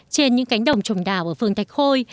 trên những cánh đồng trồng đào ở phường thạch khôi